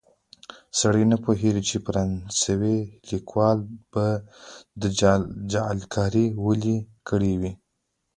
سړی نه پوهېږي چې فرانسوي لیکوال به دا جعلکاري ولې کړې وي.